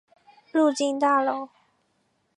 入境大楼